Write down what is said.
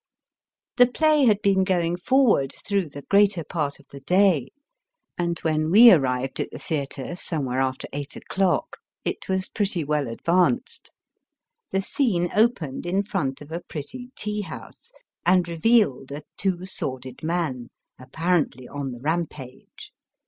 The play had been going forward through the greater part of the day, and when we arrived at the theatre, somewhere after eight o'clock, it was pretty well advanced. The scene opened in front of a pretty tea house, and revealed a Two Sworded Man, apparently on the rampage.